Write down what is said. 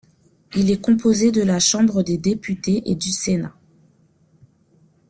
Il est composé de la Chambre des députés et du Sénat.